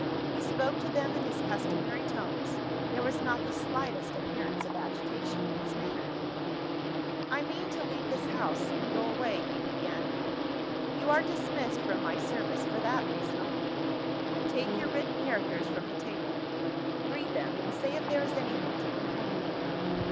He spoke to them in his customary tones; there was not the slightest appearance of agitation in his manner. "I mean to leave this house, and go away," he began. "You are dismissed from my service, for that reason only. Take your written characters from the table; read them, and say if there is anything to complain of."